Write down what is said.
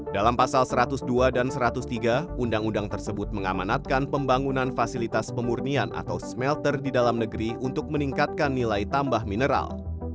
dalam pasal satu ratus dua dan satu ratus tiga undang undang tersebut mengamanatkan pembangunan fasilitas pemurnian atau smelter di dalam negeri untuk meningkatkan nilai tambah mineral